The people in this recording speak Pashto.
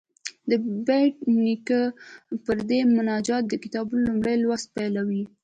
د بېټ نیکه پر دې مناجات د کتاب لومړی لوست پیلوو.